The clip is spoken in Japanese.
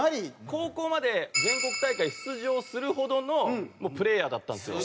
高校まで全国大会出場するほどのプレーヤーだったんですよ。